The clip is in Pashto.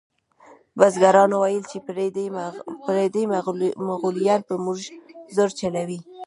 بزګرانو ویل چې پردي مغولیان پر موږ زور چلوي.